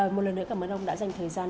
một lần nữa cảm ơn ông đã dành thời gian